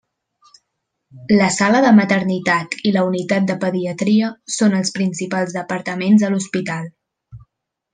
La sala de maternitat i la unitat de pediatria són els principals departaments de l'hospital.